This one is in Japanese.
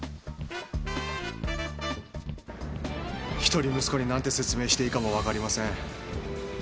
一人息子になんて説明していいかもわかりません。